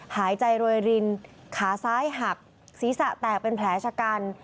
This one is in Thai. หายใจโรยรินขาซ้ายหักศีรษะแตกเป็นแผลชะกัน